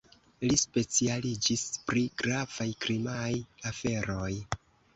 Li specialiĝis pri gravaj krimaj aferoj.